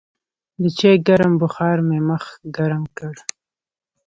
د چای ګرم بخار مې مخ ګرم کړ.